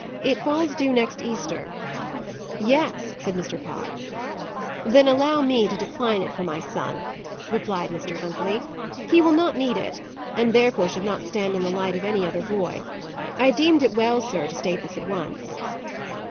It falls due next Easter." "Yes," said Mr. Pye. "Then allow me to decline it for my son," replied Mr. Huntley. "He will not need it; and therefore should not stand in the light of any other boy. I deemed it well, sir, to state this at once."